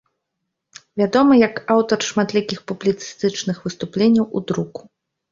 Вядомы як аўтар шматлікіх публіцыстычных выступленняў у друку.